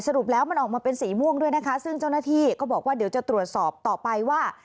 รุปแล้วมันออกมาเป็นสีม่วงด้วยนะคะซึ่งเจ้าหน้าที่ก็บอกว่าเดี๋ยวจะตรวจสอบต่อไปว่า